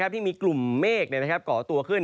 ที่มีกลุ่มเมฆก่อตัวขึ้น